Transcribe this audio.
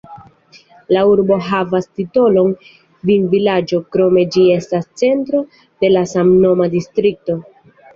La urbo havas la titolon vinvilaĝo, krome ĝi estas centro de la samnoma distrikto.